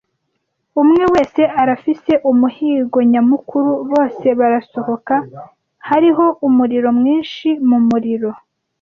Umwe wese arafise umuhigo nyamukuru, bose barasohoka, hariho umuriro mwinshi mumuriro.